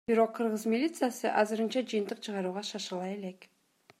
Бирок кыргыз милициясы азырынча жыйынтык чыгарууга шашыла элек.